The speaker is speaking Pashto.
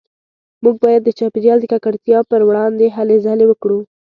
موږ باید د چاپیریال د ککړتیا پروړاندې هلې ځلې وکړو